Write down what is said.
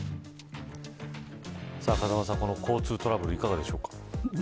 風間さん交通トラブルいかがでしょうか。